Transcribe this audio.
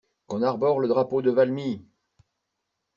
Qu'on arbore le drapeau de Valmy!